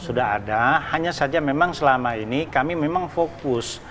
sudah ada hanya saja memang selama ini kami memang fokus